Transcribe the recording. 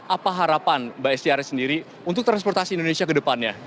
apa harapan mbak estiar sendiri untuk transportasi indonesia ke depannya